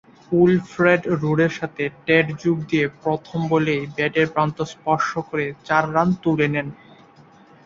Wilfred রোডসের সাথে Tate যোগ দিয়ে প্রথম বলেই ব্যাটের প্রান্ত স্পর্শ করে চার রান তুলে নেন।